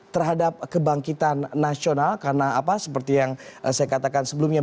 terhadap kebangkitan nasional karena apa seperti yang saya katakan sebelumnya